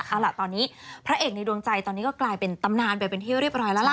เอาล่ะตอนนี้พระเอกในดวงใจตอนนี้ก็กลายเป็นตำนานไปเป็นที่เรียบร้อยแล้วล่ะ